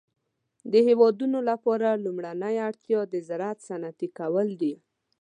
د هيوادونو لپاره لومړنۍ اړتيا د زراعت صنعتي کول دي.